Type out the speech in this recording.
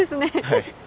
はい。